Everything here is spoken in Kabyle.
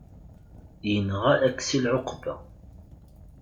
Yenɣa Aksil ɛuqba.